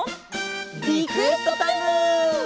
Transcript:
リクエストタイム！